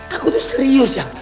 hah aku tuh serius yang